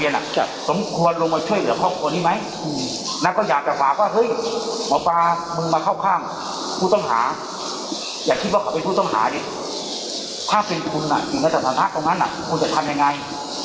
นะตรงนั้นน่ะคุณจะทำยังไงนะคุณจะทำยังไง